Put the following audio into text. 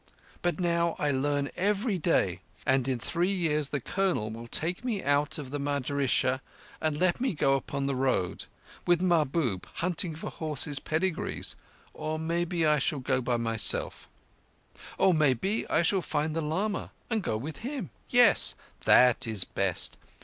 But now I learn every day, and in three years the Colonel will take me out of the madrissah and let me go upon the Road with Mahbub hunting for horses' pedigrees, or maybe I shall go by myself; or maybe I shall find the lama and go with him. Yes; that is best.